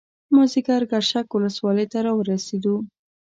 مازیګر ګرشک ولسوالۍ ته راورسېدو.